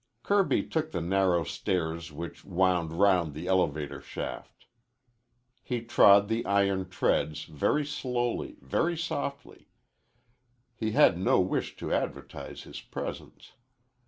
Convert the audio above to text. Kirby took the narrow stairs which wound round the elevator shaft. He trod the iron treads very slowly, very softly. He had no wish to advertise his presence.